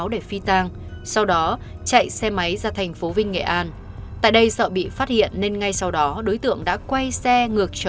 đề phòng đối tượng lợi dụng đêm